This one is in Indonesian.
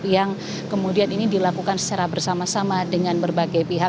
yang kemudian ini dilakukan secara bersama sama dengan berbagai pihak